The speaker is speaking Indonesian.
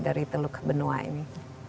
dari tuluk benoa ini